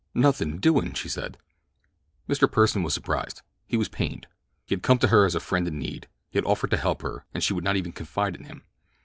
"Nothing doing," she said. Mr. Pursen was surprised. He was pained. He had come to her as a friend in need. He had offered to help her, and she would not even confide in him.